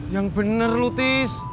yang bener lu tis